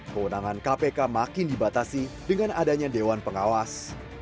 kewenangan kpk makin dibatasi dengan adanya dewan pengawas